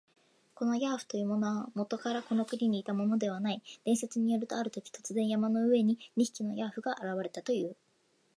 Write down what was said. このヤーフというものは、もとからこの国にいたものではない。伝説によると、あるとき、突然、山の上に二匹のヤーフが現れたという。